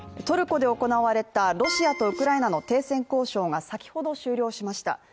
トルコで行われたロシアとウクライナの停戦交渉が先ほど終了しました。